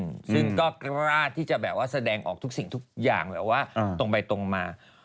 ซึ่งก็กล้าที่จะแบบว่าแสดงออกทุกสิ่งทุกอย่างแบบว่าตรงไปตรงมา